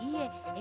え！